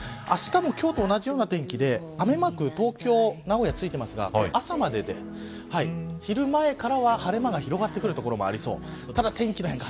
あしたも今日と同じような天気で雨マーク、東京、名古屋ついてますが朝までで昼前からは晴れ間が広がってくる所もありそう。